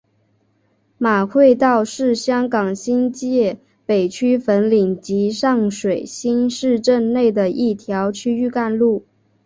马会道是香港新界北区粉岭及上水新市镇内的一条区域干路。